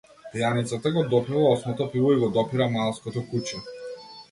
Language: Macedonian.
Пијаницата го допива осмото пиво и го допира маалското куче.